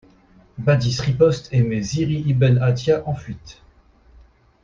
Badis riposte et met Ziri ibn `Atiya en fuite.